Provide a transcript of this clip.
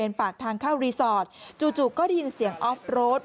ปากทางเข้ารีสอร์ทจู่ก็ได้ยินเสียงออฟโรด